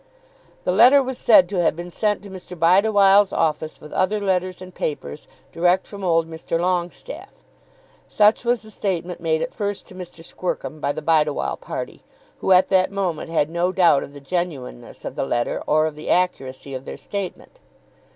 The letter was said to have been sent to Mr. Bideawhile's office with other letters and papers, direct from old Mr. Longestaffe. Such was the statement made at first to Mr. Squercum by the Bideawhile party, who at that moment had no doubt of the genuineness of the letter or of the accuracy of their statement.